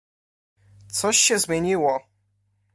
"Coś się zmieniło."